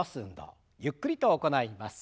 ゆっくりと行います。